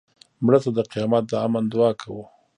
مړه ته د قیامت د امن دعا کوو